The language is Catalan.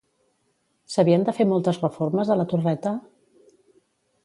S'havien de fer moltes reformes a la torreta?